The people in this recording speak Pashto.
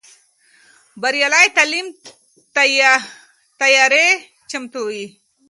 بریالی تعلیم تیارې ختموي.